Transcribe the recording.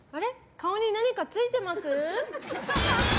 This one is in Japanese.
顔に何かついてます？